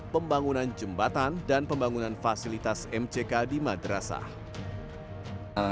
pembangunan jembatan dan pembangunan fasilitas mck di madrasah